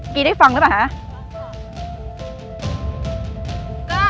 ีได้ฟังหรือเปล่าคะ